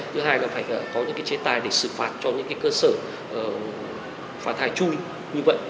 thứ hai là phải có những cái chế tài để xử phạt cho những cái cơ sở phá thai chui như vậy